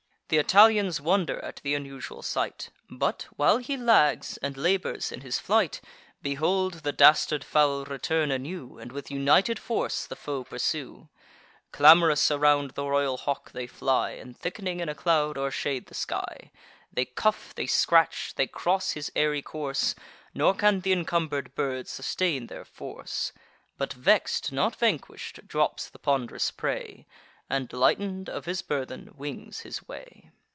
Th' Italians wonder at th' unusual sight; But, while he lags, and labours in his flight, Behold, the dastard fowl return anew, And with united force the foe pursue: Clam'rous around the royal hawk they fly, And, thick'ning in a cloud, o'ershade the sky. They cuff, they scratch, they cross his airy course; Nor can th' incumber'd bird sustain their force; But vex'd, not vanquish'd, drops the pond'rous prey, And, lighten'd of his burthen, wings his way.